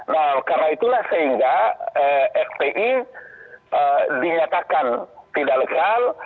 nah karena itulah sehingga fpi dinyatakan tidak legal